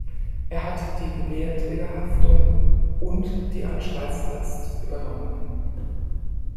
Er hat die Gewährträgerhaftung und die Anstaltslast übernommen.